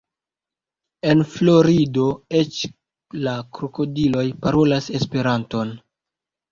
En Florido eĉ la krokodiloj parolas Esperanton!